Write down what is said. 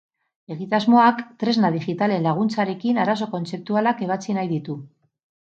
Egitasmoak tresna digitalen laguntzarekin arazo kontzeptualak ebatzi nahi ditu.